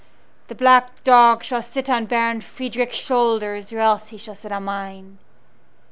The black dog shall sit on Baron Frederick's shoulders or else he shall sit on mine!"